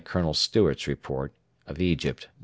Colonel Stewart's Report: Egypt, No.